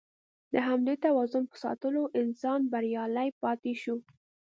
د همدې توازن په ساتلو انسان بریالی پاتې شوی.